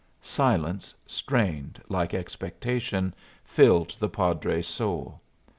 Silence, strained like expectation, filled the padre's soul.